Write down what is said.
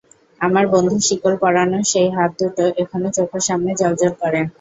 আমার বন্ধুর শিকল পরানো সেই হাত দুটো এখনো চোখের সামনে জ্বলজ্বল করে।